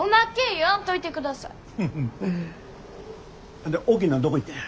ほんで大きいのはどこ行ったんや？